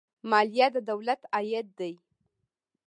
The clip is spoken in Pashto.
مالیه د دولت عاید دی